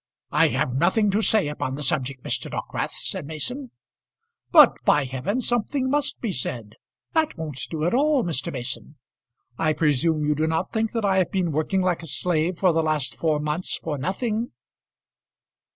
"I have nothing to say upon the subject, Mr. Dockwrath," said Mason. "But, by heaven, something must be said. That won't do at all, Mr. Mason. I presume you do not think that I have been working like a slave for the last four months for nothing."